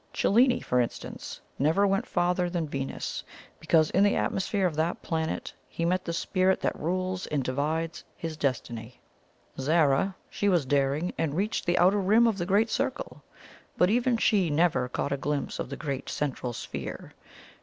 Cellini, for instance, never went farther than Venus, because in the atmosphere of that planet he met the Spirit that rules and divides his destiny. Zara she was daring, and reached the outer rim of the Great Circle; but even she never caught a glimpse of the great Central Sphere.